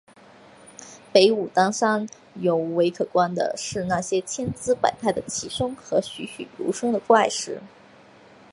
北武当山尤为可观的是那些千姿百态的奇松和栩栩如生的怪石。